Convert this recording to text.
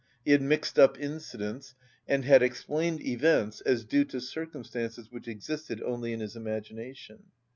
He had mixed up incidents and had explained events as due to circumstances which existed only in his imagination.